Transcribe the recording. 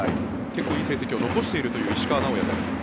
結構いい成績を残しているという石川直也です。